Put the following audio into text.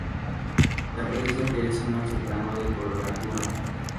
Se aprecia que es una soprano de coloratura.